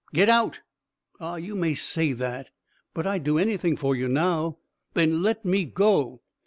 "Get out!" "Ah, you may say that, but I'd do anything for you now." "Then let me go."